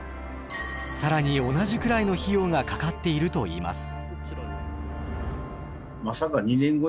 更に同じくらいの費用がかかっているといいます。